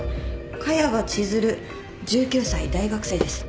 萱場千寿留１９歳大学生です。